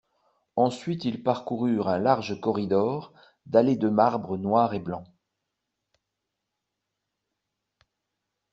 Ensuite ils parcoururent un large corridor dallé de marbre noir et blanc.